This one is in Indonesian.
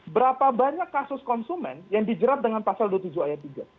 berapa banyak kasus konsumen yang dijerat dengan pasal dua puluh tujuh ayat tiga